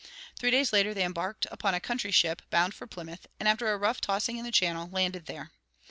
Three days later they embarked upon a country ship, bound for Plymouth, and after a rough tossing in the Channel, landed there.